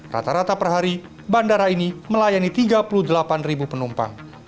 rata rata per hari bandara ini melayani tiga puluh delapan penumpang